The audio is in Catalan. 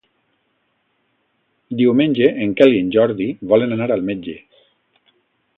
Diumenge en Quel i en Jordi volen anar al metge.